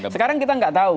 sekarang kita tidak tahu